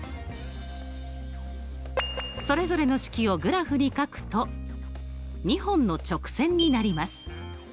それぞれの式をグラフに書くと２本の直線になります。